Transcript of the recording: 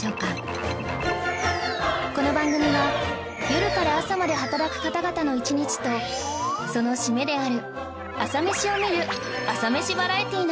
この番組は夜から朝まで働く方々の一日とその締めである朝メシを見る朝メシバラエティーなのです